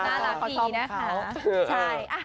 น่ารักดีนะคะ